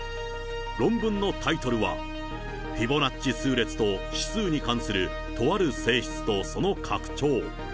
論文のタイトルは、フィボナッチ数列と指数に関するとある性質とその拡張。